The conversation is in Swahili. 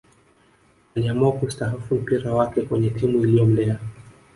Aliamua kusitahafu mpira wake kwenye timu iliyomlea